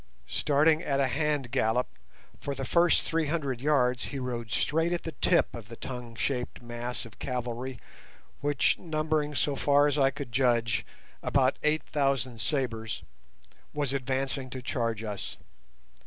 Starting at a hand gallop, for the first three hundred yards he rode straight at the tip of the tongue shaped mass of cavalry which, numbering, so far as I could judge, about eight thousand sabres, was advancing to charge us.